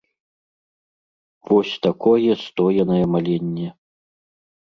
Вось такое стоенае маленне.